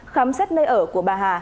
khám xét nơi ở của bà hà